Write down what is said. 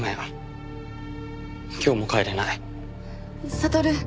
悟